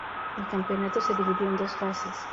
El Campeonato se dividió en dos fases.